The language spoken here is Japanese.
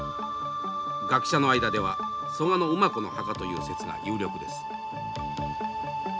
学者の間では蘇我馬子の墓という説が有力です。